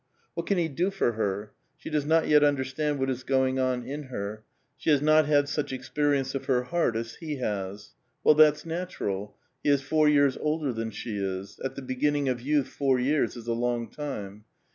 What can he do for her? She does not yet understand what is going on in her ; she has not had such experience of her heart as he has ; well, that's natural ; he is four years older than she is ; at the beginning of youth four years is a long time.